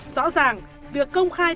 rõ ràng việc công khai